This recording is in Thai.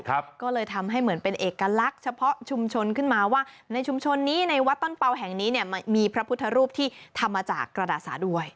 ก็เลยทำให้เหมือนเป็นเอกลักษณ์เฉพาะชุมชนขึ้นมาว่าในชุมชนนี้ในวัดต้นเปล่าแห่งนี้เนี่ยมีพระพุทธรูปที่ทำมาจากกระดาษสาด้วย